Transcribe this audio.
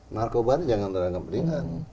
narkobanya jangan dalam kepentingan